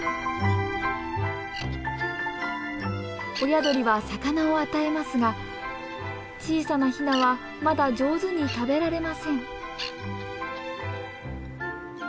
親鳥は魚を与えますが小さなヒナはまだ上手に食べられません。